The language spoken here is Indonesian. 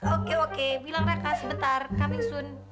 oke oke bilang raka sebentar coming soon